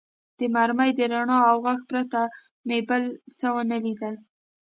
د مرمۍ د رڼا او غږ پرته مې بل څه و نه لیدل.